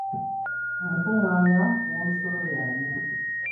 Omukungaanya w'omusolo y'ani?